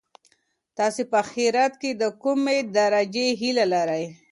تاسي په اخیرت کي د کومې درجې هیله لرئ؟